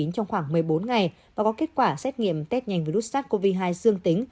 trong khoảng một mươi bốn ngày và có kết quả xét nghiệm test nhanh virus sars cov hai dương tính